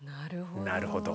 なるほど。